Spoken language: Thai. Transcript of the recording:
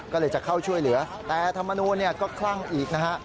ก็เลยจะเข้าช่วยเหลือแต่ธรรมนูลก็คลั่งอีกนะฮะ